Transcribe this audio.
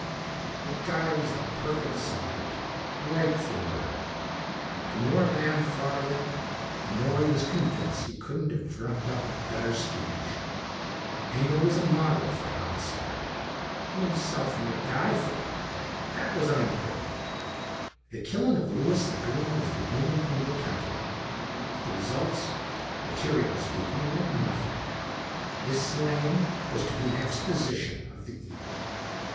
The guy was the perfect subject. Ripe for murder. The more Lamb thought of it, the more he was convinced he couldn't have dreamed up a better stooge. Engel was a model for homicide. He himself might die for it. But that was unimportant. The killing of Louis the Goon was the only thing that counted. The results, materially speaking, meant nothing. This slaying was to be an exposition of the ego.